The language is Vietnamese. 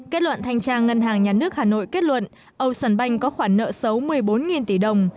kết luận thanh tra ngân hàng nhà nước hà nội kết luận ocean bank có khoản nợ xấu một mươi bốn tỷ đồng